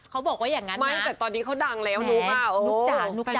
เขาบอกว่าอย่างนั้นนะไม่แต่ตอนนี้เขาดังแล้วนุ๊กค่ะ